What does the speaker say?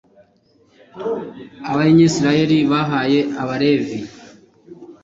abayisraheli bahaye abalevi